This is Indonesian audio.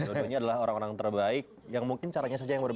tentunya adalah orang orang terbaik yang mungkin caranya saja yang berbeda